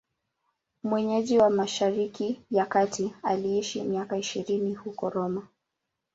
Mwenyeji wa Mashariki ya Kati, aliishi miaka ishirini huko Roma.